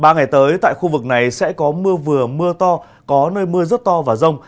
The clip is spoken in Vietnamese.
ba ngày tới tại khu vực này sẽ có mưa vừa mưa to có nơi mưa rất to và rông